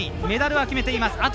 メダルは決めています。